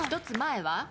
１つ前は？